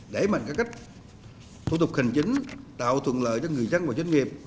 đẩy mạnh các cách thu thục hành chính tạo thuận lợi cho người dân và doanh nghiệp